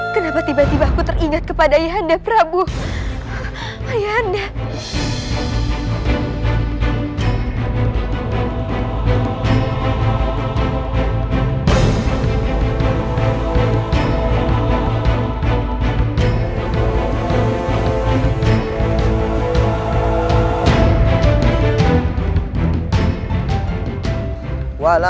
kenapa tiba tiba aku teringat kepada ayah anda prabu ayah anda